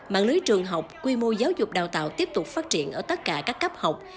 mạng lưới trường học quy mô giáo dục đào tạo tiếp tục phát triển ở tất cả các cấp học